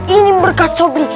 ini berkat sobri